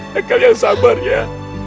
haikal yang sabar ya